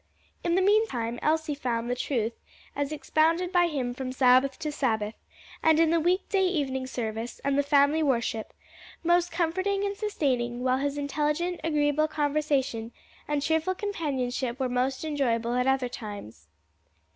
In the meantime Elsie found the truth as expounded by him from Sabbath to Sabbath, and in the week day evening service and the family worship, most comforting and sustaining; while his intelligent, agreeable conversation and cheerful companionship were most enjoyable at other times.